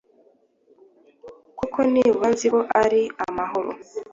kuko nibura nzi ko ari amahoro